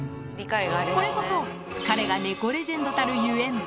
これこそ彼が猫レジェンドたるゆえん。